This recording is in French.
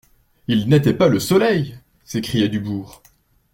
Il n'était pas le soleil, s'écriait Dubourg.